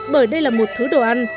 bởi đây là một thứ đồ ăn